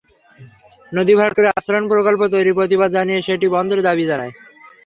নদী ভরাট করে আশ্রয়ণ প্রকল্প তৈরির প্রতিবাদ জানিয়ে সেটি বন্ধের দাবি জানায়।